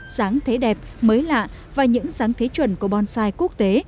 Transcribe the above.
sáng thấy đẹp mới lạ và những sáng thấy chuẩn của bonsai quốc tế